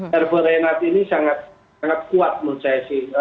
herbo renard ini sangat kuat menurut saya sih